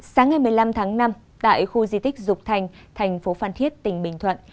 sáng ngày một mươi năm tháng năm tại khu di tích dục thành thành phố phan thiết tỉnh bình thuận